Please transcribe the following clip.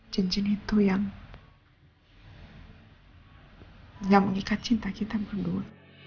jeng jeng itu yang mengikat cinta kita berdua